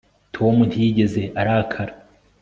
tom ntiyigeze arakara